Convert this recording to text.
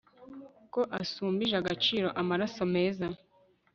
ko asumbije agaciro amasaro meza